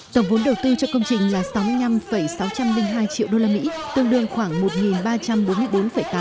tổng vốn đầu tư cho công trình là sáu mươi năm sáu trăm linh hai triệu usd tương đương khoảng một ba trăm bốn mươi bốn tám tỷ đồng